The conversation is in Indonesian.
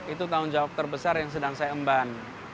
itu tanggung jawab terbesar yang sedang saya emban